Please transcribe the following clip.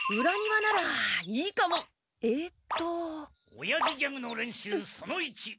おやじギャグの練習その１！